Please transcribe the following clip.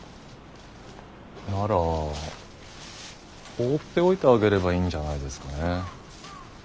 なら放っておいてあげればいいんじゃないですかね。